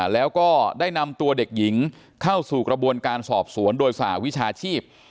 แล้วก็ได้นำตัวเด็กหญิงเข้าสู่กระบวนการสอบสวนโดยสหวิชาชีพ